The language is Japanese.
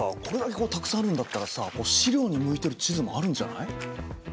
これだけこうたくさんあるんだったらさ資料に向いてる地図もあるんじゃない？